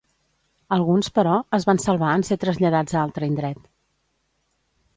Alguns, però, es van salvar en ser traslladats a altre indret.